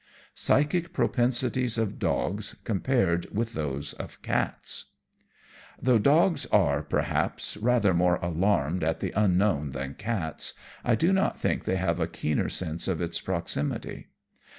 Psychic Propensities of Dogs compared with those of Cats Though dogs are, perhaps, rather more alarmed at the Unknown than cats, I do not think they have a keener sense of its proximity.